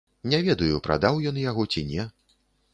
Не ведаю, прадаў ён яго ці не.